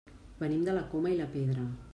Venim de la Coma i la Pedra.